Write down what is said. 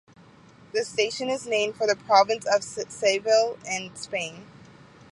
The station is named for the Province of Seville in Spain.